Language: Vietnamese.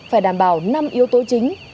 phải đảm bảo năm yếu tố chính